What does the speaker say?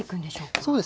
そうですね。